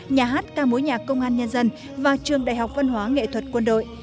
nhà hát ca mối nhạc công an nhân dân và trường đại học văn hóa nghệ thuật quân đội